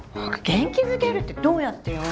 元気づけるってどうやってよ。